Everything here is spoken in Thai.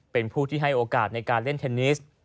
เป็นผู้ที่ให้โอกาสในการเล่นเทนนิส